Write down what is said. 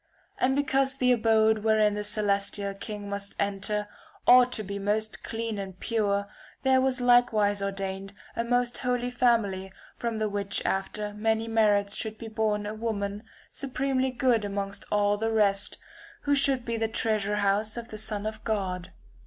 And because the abode wherein the celestial king must enter ought to be most clean and pure there was like wise ordained a most holy family from the which after many merits should be born a woman supremely good amongst all the rest, who should be the treasure house of the Son of God.